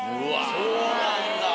そうなんだ。